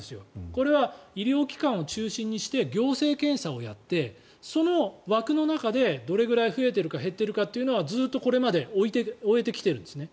これは医療機関を中心にして行政検査をやってその枠の中でどれぐらい増えているか減っているかは、ずっとこれまで追えてきているんですね。